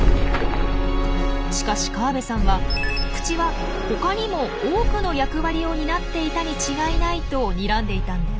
しかし河部さんは口は他にも多くの役割を担っていたに違いないとにらんでいたんです。